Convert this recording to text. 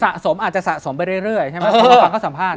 สะสมอาจจะสะสมไปเรื่อยใช่ไหม